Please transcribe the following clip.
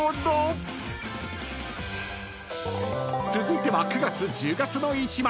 ［続いては９月・１０月の１枚。